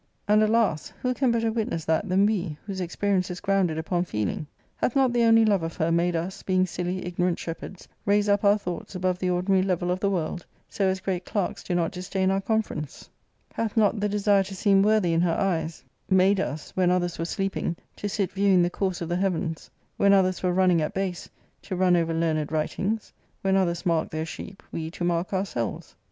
And, alas, who can better witness that than we, whose experience is grounded upon feeling ? Hath not jthe only love of her made us, being silly ignorant shepherds, raise up our thoughts above the ordinary level of the world, so as great clerks do not disdain our. conference? Hath not the desire to seem * His — the neuter possessive its" was not in use in Sidney's time. ARCADIA.— Book /. worthy in her eyes made us, when others were sleeping, to sit' viewing the course of the heavens ; when others were running at base,* to run over learned writings ;/^when others mark • their sheep, we to mark ourselves?..